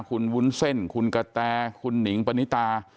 คุณวุ้นเส้นคุณกะแตคุณหนิงปณิตา